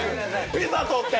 ピザ取って！